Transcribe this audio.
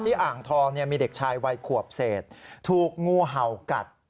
อ่างทองมีเด็กชายวัยขวบเศษถูกงูเห่ากัด